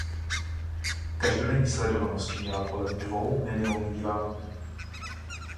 Každodenní sledovanost činila kolem dvou milionů diváků.